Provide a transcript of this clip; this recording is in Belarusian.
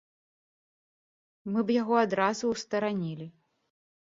Мы б яго адразу ўстаранілі.